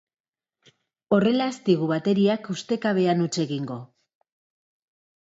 Horrela ez digu bateriak ustekabean huts egingo.